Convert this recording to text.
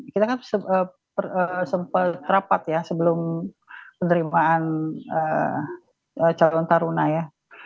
kita kan sempat rapat ya sebelum penerimaan calon taruna ya